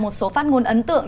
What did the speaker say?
một số phát ngôn ấn tượng